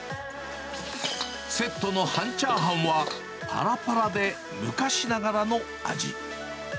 セットの半チャーハンは、ぱらぱらで、昔ながらの味。